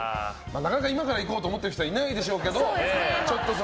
なかなか今から行こうと思ってる方はいないでしょうけど。